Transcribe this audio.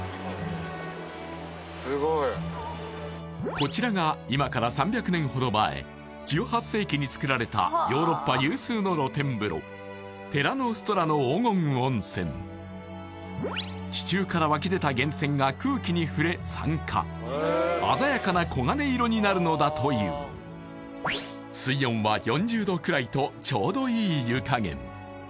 こちらが今から３００年ほど前１８世紀につくられたヨーロッパ有数の露天風呂テラノストラの黄金温泉地中から湧き出たなるのだという水温は４０℃くらいとちょうどいい湯加減